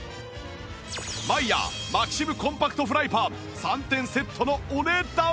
マイヤーマキシムコンパクトフライパン３点セットのお値段は？